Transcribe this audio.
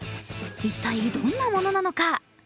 一体どんなものなのか？